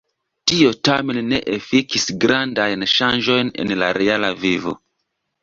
Tio tamen ne efikis grandajn ŝanĝojn en la reala vivo.